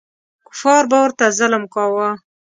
کفار به ورته ظلم کاوه.